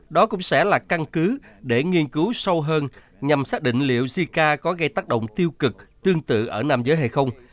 đó cũng sẽ là căn cứ để nghiên cứu sâu hơn nhằm xác định liệu jica có gây tác động tiêu cực tương tự ở nam giới hay không